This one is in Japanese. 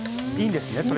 いいんですね